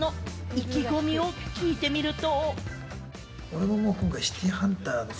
意気込みを聞いてみると。